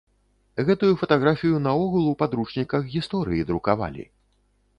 Гэтую фатаграфію наогул у падручніках гісторыі друкавалі!